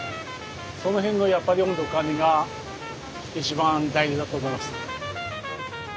その辺のやっぱり温度管理が一番大事だと思います。